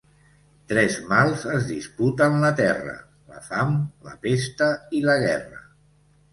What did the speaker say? Tres mals es disputen la terra: la fam, la pesta i la guerra.